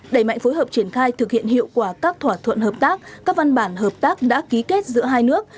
đẩy mạnh phối hợp triển khai thực hiện hiệu quả các thỏa thuận hợp tác các văn bản hợp tác đã ký kết giữa hai nước